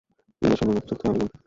নেশা নিয়মিত চলতে হবে কিন্তু।